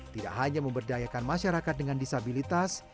tidak hanya memberdayakan masyarakat dengan disabilitas